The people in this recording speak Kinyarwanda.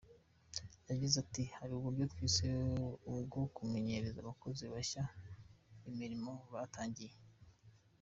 Yagize ati “Hari uburyo twise ubwo kumenyereza abakozi bashya imirimo batangiye.